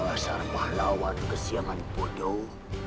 dasar pahlawan kesiangan bodoh